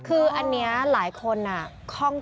คืออันนี้หลายคนคล่อง